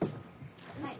はい。